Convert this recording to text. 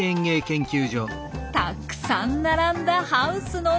たくさん並んだハウスの中には。